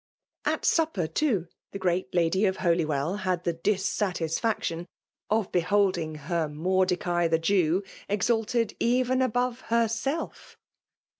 At supper, too, the great la<fy of Holywell had the AiBBatisfiietioii of beholding her Mor<> deoai' the Jew exalted even above h^rfifelf!